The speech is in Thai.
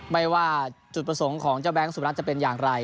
ไม่ว่าจุดประสงค์ของเจ้าแบงค์สุรัตนจะเป็นอย่างไร